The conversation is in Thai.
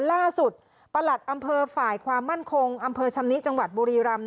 ประหลัดอำเภอฝ่ายความมั่นคงอำเภอชำนิจังหวัดบุรีรำ